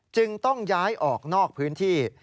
จึงต้องย้ายออกนอกพื้นที่